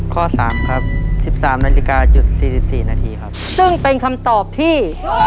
ข้อสามครับสิบสามนาฬิกาจุดสี่สิบสี่นาทีครับซึ่งเป็นคำตอบที่